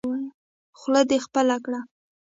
خوله دې خپله کړه.